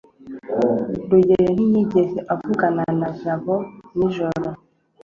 rugeyo ntiyigeze avugana na jabo nijoro